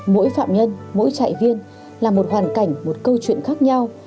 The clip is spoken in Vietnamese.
mỗi phạm nhân mỗi trại viên là một hoàn cảnh một câu chuyện khác nhau